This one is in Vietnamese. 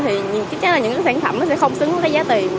thì chắc chắn là những sản phẩm sẽ không xứng với giá tiền